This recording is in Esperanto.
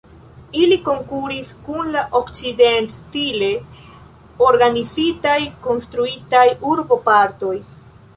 Ili konkuris kun la okcident-stile organizitaj, konstruitaj urbopartoj.